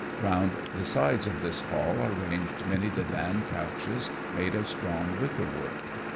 Round the sides of this hall are ranged many divan couches made of strong wicker work.